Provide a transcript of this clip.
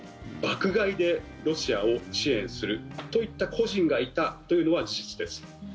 爆買いでロシアを支援するといった個人がいたというのは事実です。